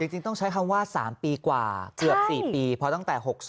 จริงต้องใช้คำว่า๓ปีกว่าเกือบ๔ปีเพราะตั้งแต่๖๐